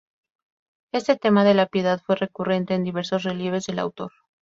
Este tema de la Piedad, fue recurrente en diversos relieves del autor.